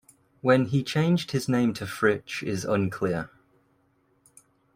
When he changed his name to Fritsch is unclear.